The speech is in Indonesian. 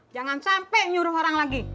jangan sampai nyuruh orang lagi